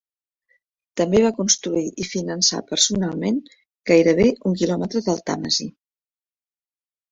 També va construir i finançar personalment gairebé un quilòmetre del Tàmesi.